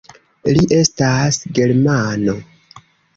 Li estas germano.